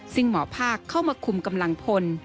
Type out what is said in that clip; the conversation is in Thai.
ซึ่งหมอภาคเข้ามาคุมกำลังพล